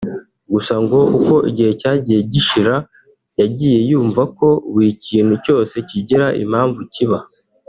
gusa ngo uko igihe cyagiye gishira yagiye yumva ko buri kintu cyose kigira impamvu kiba